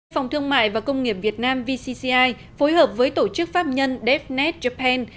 phòng thương mại và công nghiệp việt nam vcci phối hợp với tổ chức pháp nhân dfnet japan